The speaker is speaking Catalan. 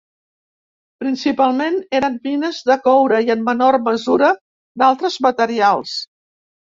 Principalment eren mines de coure i, en menor mesura, d'altres materials.